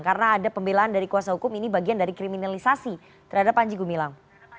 karena ada pembelaan dari kuasa hukum ini bagian dari kriminalisasi terhadap panjegu milang